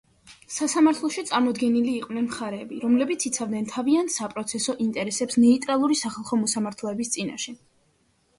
სასამართლოში წარმოდგენილი იყვნენ მხარეები, რომლებიც იცავდნენ თავიანთ საპროცესო ინტერესებს ნეიტრალური სახალხო მოსამართლეების წინაშე.